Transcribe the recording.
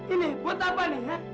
ini buat apa nih